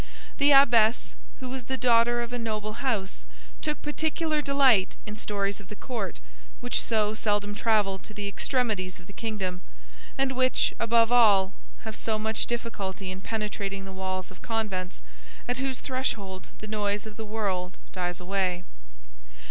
The abbess, who was the daughter of a noble house, took particular delight in stories of the court, which so seldom travel to the extremities of the kingdom, and which, above all, have so much difficulty in penetrating the walls of convents, at whose threshold the noise of the world dies away.